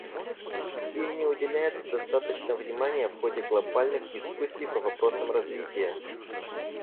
Ей не уделяется достаточно внимания в ходе глобальных дискуссий по вопросам развития.